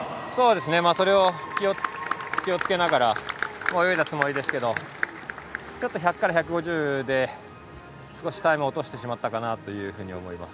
それを気をつけながら泳いだつもりですけどちょっと、１００から１５０で少しタイムを落としてしまったかなと思います。